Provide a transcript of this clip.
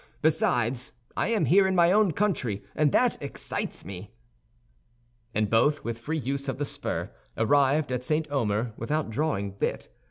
Besides, I am here in my own country, and that excites me." And both, with free use of the spur, arrived at St. Omer without drawing bit.